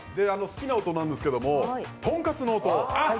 好きな音なんですけれども、とんかつの音。